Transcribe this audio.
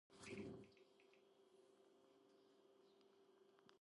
იმატა ჭორებმა, რომ იგი სოლო-კარიერას იწყებდა და ჯორჯ მაიკლის წრეშიც ტრიალებდა.